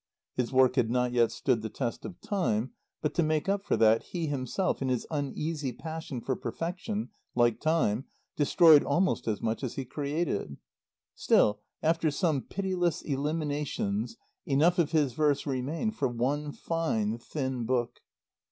His work had not yet stood the test of time, but to make up for that he himself, in his uneasy passion for perfection, like Time, destroyed almost as much as he created. Still, after some pitiless eliminations, enough of his verse remained for one fine, thin book.